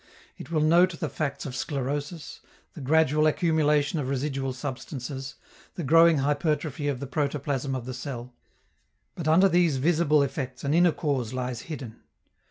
It will note the facts of sclerosis, the gradual accumulation of residual substances, the growing hypertrophy of the protoplasm of the cell. But under these visible effects an inner cause lies hidden.